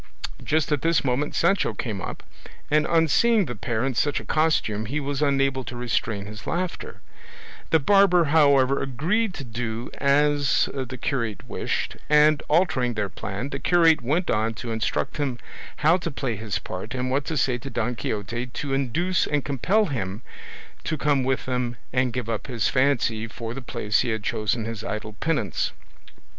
Just at this moment Sancho came up, and on seeing the pair in such a costume he was unable to restrain his laughter; the barber, however, agreed to do as the curate wished, and, altering their plan, the curate went on to instruct him how to play his part and what to say to Don Quixote to induce and compel him to come with them and give up his fancy for the place he had chosen for his idle penance.